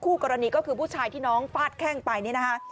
กรณีก็คือผู้ชายที่น้องฟาดแข้งไปนี่นะคะ